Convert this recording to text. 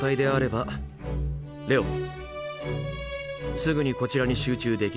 すぐこちらに集中できる。